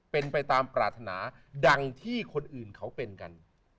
เป็นไปตามปรารถนาดังที่คนอื่นเขาเป็นกัน